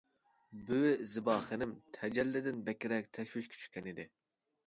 بۈۋى زىبا خېنىم تەجەللىدىن بەكرەك تەشۋىشكە چۈشكەنىدى.